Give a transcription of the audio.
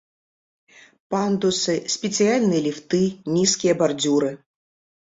Пандусы, спецыяльныя ліфты, нізкія бардзюры.